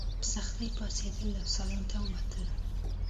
په سختۍ پاڅېدله او سالون ته ووتله.